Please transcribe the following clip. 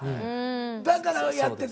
だからやってて。